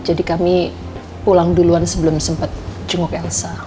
jadi kami pulang duluan sebelum sempat jenguk elsa